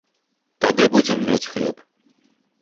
Тады будзем мець хлеб.